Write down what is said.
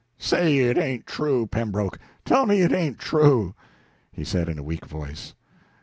"Say it ain't true, Pembroke; tell me it ain't true!" he said in a weak voice.